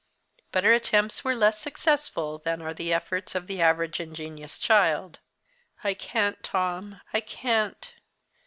But her attempts were less successful than are the efforts of the average ingenious child. "I can't, Tom, I can't!